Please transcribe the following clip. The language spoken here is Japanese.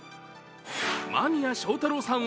間宮祥太朗さん